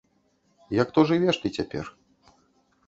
Як то жывеш ты цяпер?